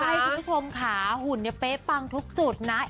ใช่คุณผู้ชมค่ะหุ่นเนี่ยเป๊ะปังทุกจุดนะ